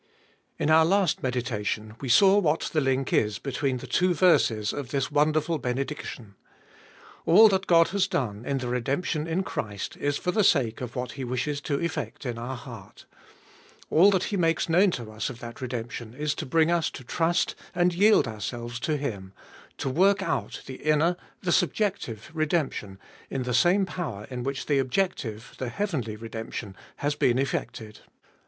IN our last meditation we saw what the link is between the two verses of this wonderful benediction. All that God has done in the redemption in Christ is for the sake of what He wishes to effect in our heart. All that He makes known to us of that redemption is to bring us to trust and yield ourselves to Him, — to work out the inner, the subjective redemption in the same power in which the objective, the heavenly redemption, has been effected.